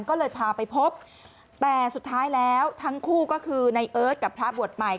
ก็เลยพาไปพบแต่สุดท้ายแล้วทั้งคู่ก็คือในเอิร์ทกับพระบวชใหม่